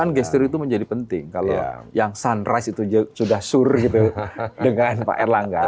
kan gesture itu menjadi penting kalau yang sunrise itu sudah sur gitu dengan pak erlangga